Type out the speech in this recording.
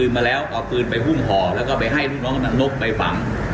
เอาปืนไปหุ้มห่อแล้วก็ไปให้ลูกน้องน้องนกไปฝัง